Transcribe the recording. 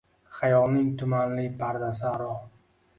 Xayolning tumanli pardasi aro